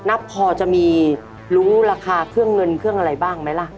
นับพอจะมีรู้ราคาเครื่องเงินเครื่องอะไรบ้างไหมล่ะ